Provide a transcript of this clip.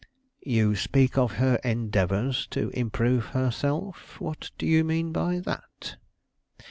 "You speak of her endeavors to improve herself. What do you mean by that?"